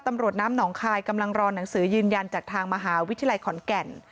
ตำรวจน้ำหนองคายกำลังรอหนังสือยืนยันจากทางมหาวิทยาลัยขอนแก่น